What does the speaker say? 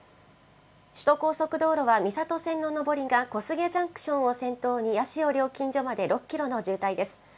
首都高速道路は、三郷線の上りが小菅ジャンクションを先頭に八潮料金所まで６キロの渋滞です。